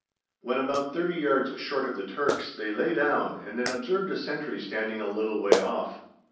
When about thirty yards short of the Turks they lay down and then observed a sentry standing a little way off.